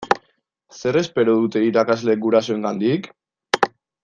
Zer espero dute irakasleek gurasoengandik?